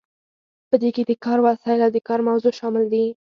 په دې کې د کار وسایل او د کار موضوع شامل دي.